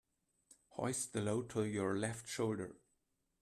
Hoist the load to your left shoulder.